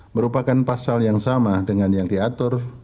merupakan pasal yang sama dengan yang diatur